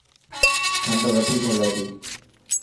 کنڊ وڌيڪ هلي تي.